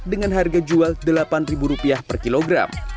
dengan harga jual rp delapan per kilogram